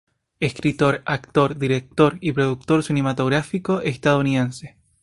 Escritor, actor, director y productor cinematográfico estadounidense.